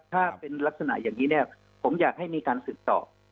ถ้าเป็นลักษณะอย่างนี้เนี่ยผมอยากให้มีการสืบสอบ